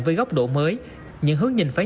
với góc độ mới những hướng nhìn phải